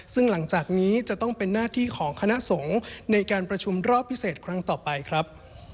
ซึ่งหลังจากนี้จะต้องเป็นหน้าที่ของคณะสงฆ์ในการประชุมรอบพิเศษครั้งต่อไปครับ